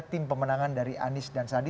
tim pemenangan dari anies dan sandi